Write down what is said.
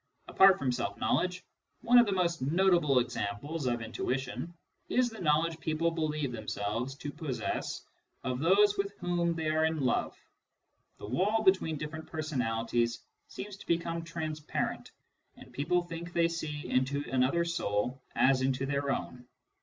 Apart from self knowledge, one of the most notable examples of intuition is the knowledge people believe them selves to possess of those with whom they are in love : the wall between different personalities seems to become transparent, and people think they see into another soul as into their own.